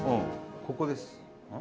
ここです